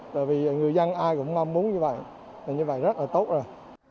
tại vì người dân ai cũng mong muốn như vậy là như vậy rất là tốt rồi